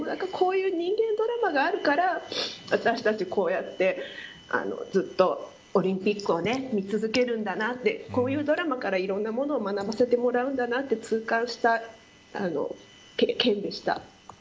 こういう人間ドラマがあるから私たちこうやってずっとオリンピックを見続けるんだなってこういうドラマからいろんなものを学ばせてもらうんだと痛感した件でした。